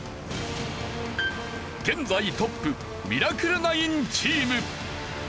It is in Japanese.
現在トップミラクル９チーム。